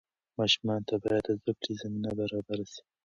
ماشومانو ته باید د زده کړې زمینه برابره سي.